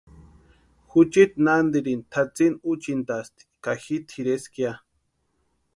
Juchiti nantiri tʼatsïni úchintasti ka ji tʼireska ya.